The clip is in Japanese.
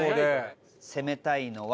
攻めたいのは。